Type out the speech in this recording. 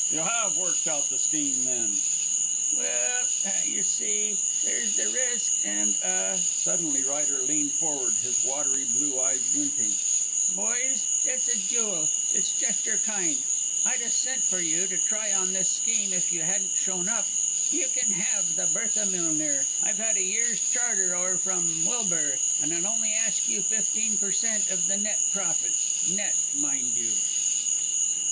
"You have worked out the scheme, then." "Well ah y'see, there's the risk, and ah " Suddenly Ryder leaned forward, his watery blue eyes glinting: "Boys, it's a jewel. It's just your kind. I'd a sent for you, to try on this very scheme, if you hadn't shown up. You kin have the Bertha Millner I've a year's charter o' her from Wilbur and I'll only ask you fifteen per cent. of the net profits net, mind you."